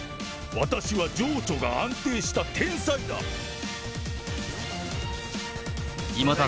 私は情緒が安定した天才だ。